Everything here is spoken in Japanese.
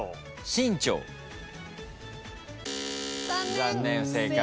残念不正解。